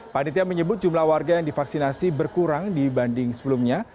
panitia menyebut jumlah warga yang divaksinasi berkurang dibanding sebelumnya